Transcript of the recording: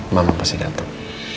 mama pasti dateng